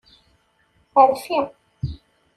Rfi.